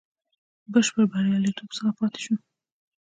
بشپړ بریالیتوب څخه پاته شو.